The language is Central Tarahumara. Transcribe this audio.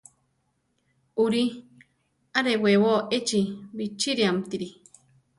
Uri; arewebo echi bichíriamtiri.